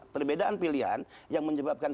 perbedaan pilihan yang menyebabkan